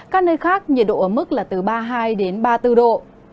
các nơi khác nhiệt độ ở mức là từ ba mươi hai đến ba mươi bốn độ